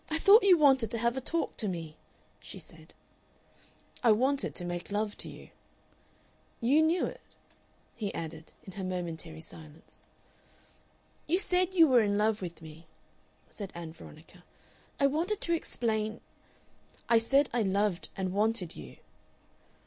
"I thought you wanted to have a talk to me," she said. "I wanted to make love to you. "You knew it," he added, in her momentary silence. "You said you were in love with me," said Ann Veronica; "I wanted to explain " "I said I loved and wanted you."